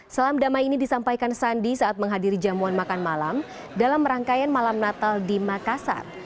salam damai ini disampaikan sandi saat menghadiri jamuan makan malam dalam rangkaian malam natal di makassar